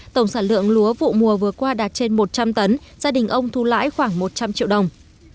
tổng sản lượng lúa vụ mùa vừa qua đạt trên một trăm linh tấn gia đình ông thu lãi khoảng một trăm linh triệu đồng